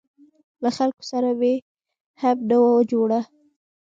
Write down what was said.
له خلکو سره مې هم نه وه جوړه.